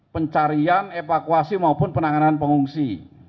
pencarian evakuasi maupun penanganan pengungsi